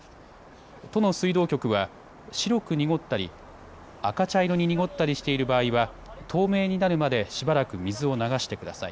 都の水道局は白く濁ったり赤茶色に濁ったりしている場合は透明になるまでしばらく水を流してください。